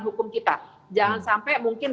hukum kita jangan sampai mungkin